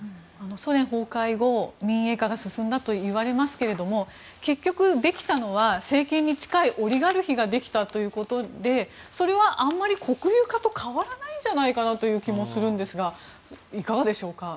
ソ連崩壊後民営化が進んだといわれますが結局、できたのは政権に近いオリガルヒができたということでそれは、あまり国有化と変わらないんじゃないかなという気がしますがいかがでしょうか。